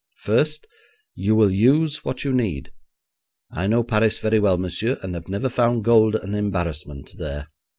First, you will use what you need. I know Paris very well, monsieur, and have never found gold an embarrassment there.